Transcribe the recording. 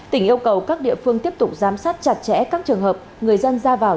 tỉnh yêu cầu các địa phương tiếp tục giám sát chặt chẽ các trường hợp người dân ra vào